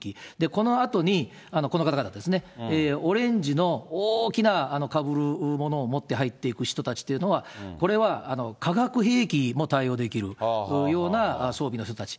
このあとに、この方々ですね、オレンジの大きなかぶるものを持って入っていく人たちというのは、これは化学兵器も対応できるような装備の人たち。